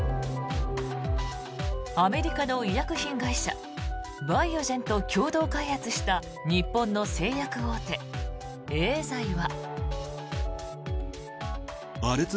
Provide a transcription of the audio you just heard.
アメリカの医薬品会社バイオジェンと共同開発した日本の製薬大手、エーザイは。